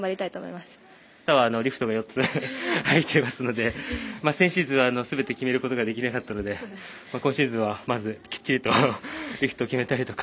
あしたはリフトが４つ入っていますので先シーズンはすべて決めることができなかったので今シーズンはまずきっちりとリフト、決めたりとか。